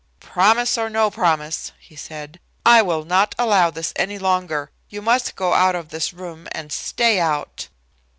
"Promise or no promise," he said, "I will not allow this any longer. You must go out of this room and stay out."